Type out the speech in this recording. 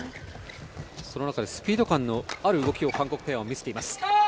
その中でスピード感のある動きを韓国ペアは見せています。